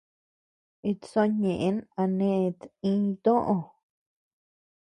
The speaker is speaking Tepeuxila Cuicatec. Itsoʼö ñeʼen a net iñʼtoʼö.